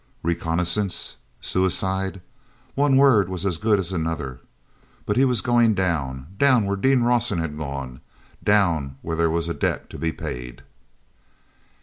Reconnaissance? Suicide? One word was as good as another. But he was going down—down where Dean Rawson had gone—down where there was a debt to be paid.